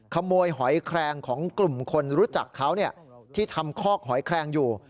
หอยแครงของกลุ่มคนรู้จักเขาที่ทำคอกหอยแคลงอยู่